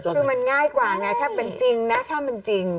คือมันง่ายกว่าไงถ้าเป็นจริงนะถ้ามันจริง